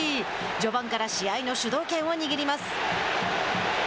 序盤から試合の主導権を握ります。